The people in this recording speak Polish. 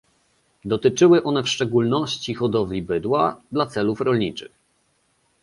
Dotyczyły one w szczególności hodowli bydła dla celów rolniczych